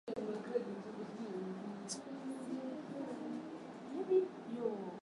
chembechembe za vumbi la mchanga na chumvi kwenye bahari